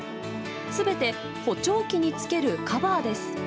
全て補聴器につけるカバーです。